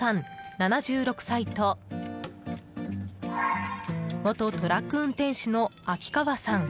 ７６歳と元トラック運転手の秋川さん